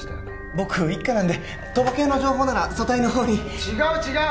僕一課なんで賭場系の情報なら組対のほうに違う違う！